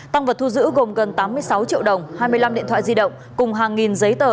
tăng vật thu giữ gồm gần tám mươi sáu triệu đồng hai mươi năm điện thoại di động cùng hàng nghìn giấy tờ